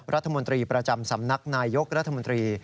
รัฐมนตรีประจำสำนักนายยกรัฐมนตรี